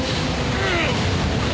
うっ！